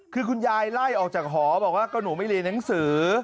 คือคุณยายไล่ออกจากหอบอกว่าก็หนูไม่เรียนหนังสือ